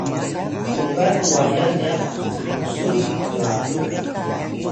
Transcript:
tugan waya nya cngusun tgaluw